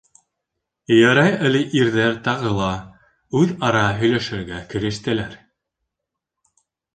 Ярай әле ирҙәр тағы ла үҙ-ара һөйләшергә керештеләр.